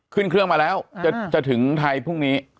ขึ้นเครื่องมาแล้วจะถึงไทยพรุ่งนี้